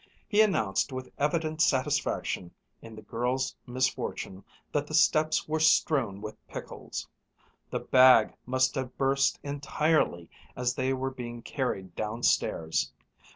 He announced with evident satisfaction in the girls' misfortune that the steps were strewn with pickles. The bag must have burst entirely as they were being carried downstairs.